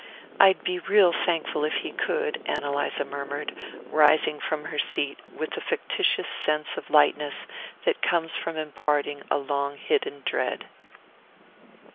"I'd be real thankful if he could," Ann Eliza murmured, rising from her seat with the factitious sense of lightness that comes from imparting a long hidden dread.